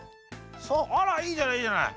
そうあらいいじゃないいいじゃない。